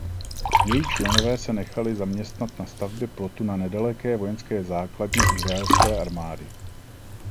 Její členové se nechali zaměstnat na stavbě plotu na nedaleké vojenské základně izraelské armády.